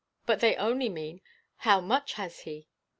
but they only mean, How much has he?